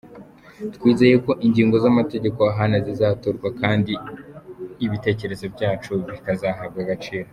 Twizeye ko ingingo z’amategeko ahana zizatorwa kandi ibitekerezo byacu bikazahabwa agaciro.